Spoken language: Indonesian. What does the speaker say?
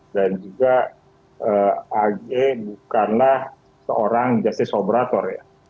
dan juga ag bukanlah seorang justice operator ya